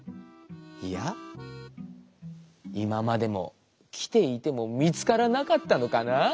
いやいままでもきていてもみつからなかったのかな。